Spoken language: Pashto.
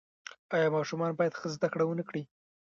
آیا ماشومان باید ښه زده کړه ونکړي؟